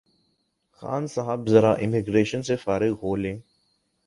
خان صاحب ذرا امیگریشن سے فارغ ہولیں